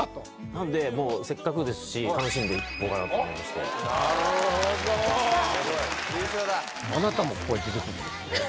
なんでもうせっかくですし楽しんでいこうかなと思いましてなるほど優勝だあなたもここに出てくるんですね